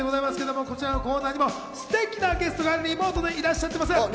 こちらのコーナーにもステキなゲストがリモートでいらっしゃっています。